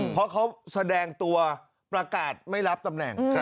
เพราะเขาแสดงตัวประกาศไม่รับตำแหน่ง